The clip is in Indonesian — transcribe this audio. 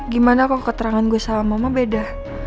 gimana kok keterangan gue sama mama beda